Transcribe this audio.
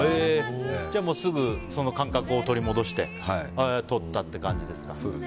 すぐその感覚を取り戻して撮ったって感じですか。